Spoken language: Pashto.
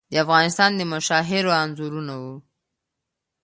د افغانستان د مشاهیرو انځورونه وو.